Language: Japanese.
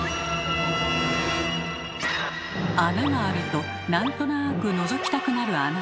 穴があると何となくのぞきたくなるあなた。